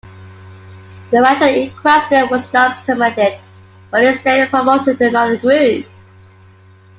The manager in question was not reprimanded, but instead promoted to another group.